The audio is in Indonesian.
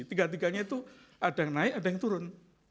tiga tiganya itu ada yang naik ada yang turun